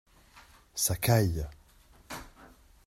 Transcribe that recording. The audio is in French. Ça caille.